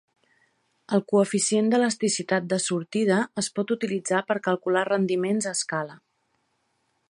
El coeficient d'elasticitat de sortida es pot utilitzar per calcular rendiments a escala.